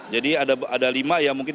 jadi ada lima ya mungkin